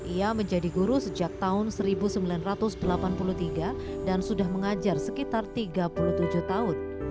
ia menjadi guru sejak tahun seribu sembilan ratus delapan puluh tiga dan sudah mengajar sekitar tiga puluh tujuh tahun